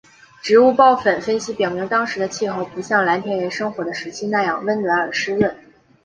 植物孢粉分析表明当时的气候不像蓝田人生活的时期那样温暖而湿润。